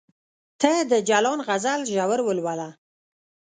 ته د جلان غزل ژور ولوله